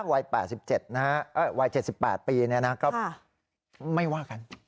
วัย๗๘ปีนะครับไม่ว่ากัน